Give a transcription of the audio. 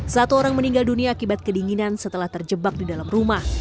satu orang meninggal dunia akibat kedinginan setelah terjebak di dalam rumah